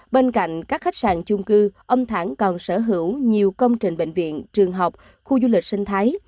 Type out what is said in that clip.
bên cạnh các khách sạn chung cư ông thẳng còn sở hữu nhiều công trình bệnh viện trường học khu du lịch sinh thái